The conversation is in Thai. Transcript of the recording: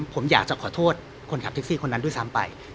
ผมอยากจะขอโทษคนขับแท็กซี่คนนั้นด้วยซ้ำไป